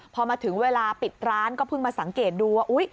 พอมาถึงเวลาปิดร้านก็เพิ่งมาสังเกตดูว่า